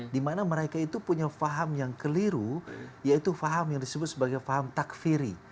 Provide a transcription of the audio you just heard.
dimana mereka itu punya faham yang keliru yaitu faham yang disebut sebagai faham takfiri